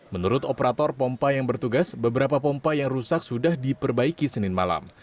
menurut operator pompa yang bertugas beberapa pompa yang rusak sudah diperbaiki senin malam